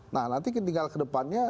nah nanti tinggal ke depannya